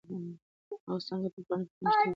هغه څانګه چې پاڼه پرې نښتې وه، لوړه وه.